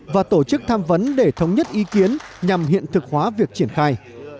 và tổ chức tham vấn để thống nhất ý kiến nhằm hiện thực hóa việc triển khai